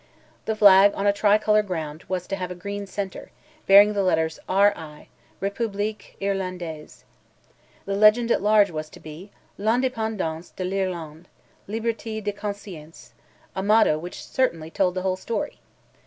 The flag on a tricolour ground, was to have a green centre, bearing the letters R.I.—Republique Irlandaise. The legend at large was to be: L'independence de l'Irlande—Liberte de Conscience; a motto which certainly told the whole story.